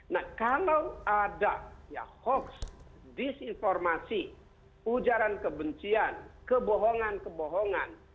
nah kalau ada hoax disinformasi ujaran kebencian kebohongan kebohongan